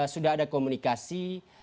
sudah ada komunikasi